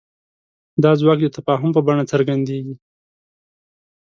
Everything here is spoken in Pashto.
دا ځواک د تفاهم په بڼه څرګندېږي.